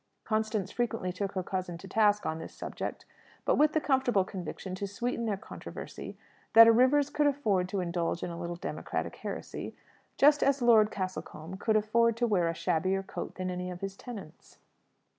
Constance frequently took her cousin to task on this subject; but with the comfortable conviction to sweeten their controversy that a Rivers could afford to indulge in a little democratic heresy, just as Lord Castlecombe could afford to wear a shabbier coat than any of his tenants.